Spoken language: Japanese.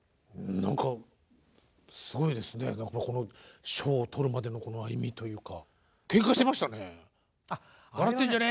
何かこの賞を取るまでのこの歩みというかけんかしてましたね。